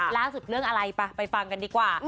ล่าสุดเรื่องอะไรไปฟังกันดีกว่า